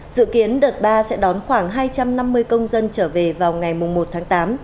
dự kiến đợt ba sẽ đón khoảng hai trăm năm mươi công dân trở về vào ngày một tháng tám